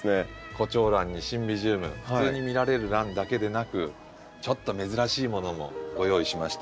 コチョウランにシンビジウム普通に見られるランだけでなくちょっと珍しいものもご用意しましてこの左手の下。